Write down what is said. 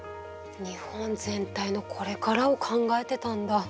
日本全体のこれからを考えてたんだ。